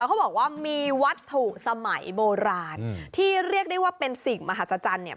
เขาบอกว่ามีวัตถุสมัยโบราณที่เรียกได้ว่าเป็นสิ่งมหัศจรรย์เนี่ย